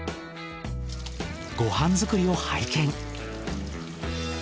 ご飯作りを拝見。